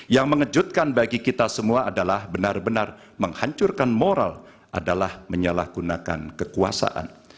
yang mengejutkan bagi kita semua adalah benar benar menghancurkan moral adalah menyalahgunakan kekuasaan